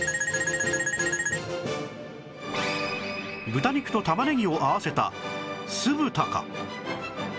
豚肉と玉ねぎを合わせた酢豚か